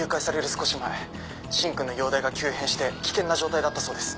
少し前芯君の容体が急変して危険な状態だったそうです。